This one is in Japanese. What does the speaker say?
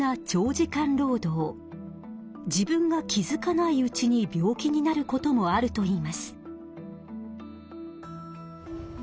自分が気付かないうちに病気になることもあるといいます。